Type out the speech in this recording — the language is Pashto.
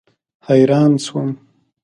حیران شوم.